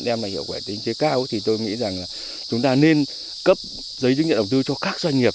đem lại hiệu quả tính chế cao thì tôi nghĩ rằng là chúng ta nên cấp giấy chứng nhận đầu tư cho các doanh nghiệp